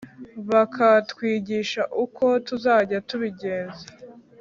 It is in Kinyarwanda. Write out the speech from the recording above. bakatwigisha uko tuzajya tubigenza.